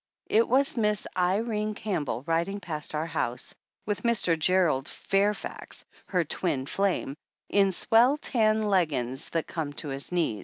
It was Miss Irene Campbell riding past our house, with Mr. Gerald Fairfax, her twin flame, in swell tan leggins that come to his knee.